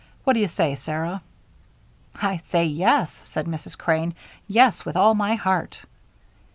What do you say, Sarah?" "I say yes," said Mrs. Crane; "yes, with all my heart."